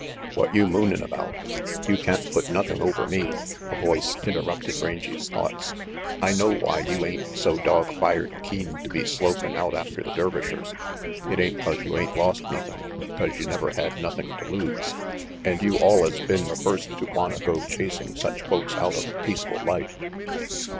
"What you moonin' about? You can't put nothing over me," a voice interrupted Rangy's thoughts. "I know why you ain't so dog fired keen RANGY PETE 49 to be slopin' out after the Dervishers. It ain't 'cause you ain't lost nothing, 'cause you never had nothing to lose, and you allus been the first to wanta go chasing such folks out of a peaceful life."